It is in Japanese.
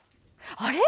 あれ？